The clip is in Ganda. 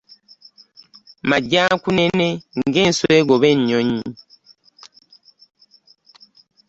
Majja nkunene nga enswa egoba enyonnyi